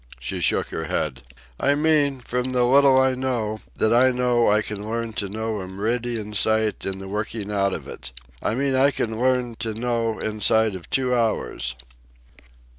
She shook her head. "I mean, from the little I know, that I know I can learn to know a meridian sight and the working out of it. I mean that I can learn to know inside of two hours."